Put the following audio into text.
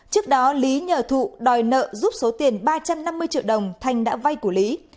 trước đó lý nhờ thụ đòi nợ giúp số tiền ba trăm năm mươi triệu đồng thanh đã vay của lý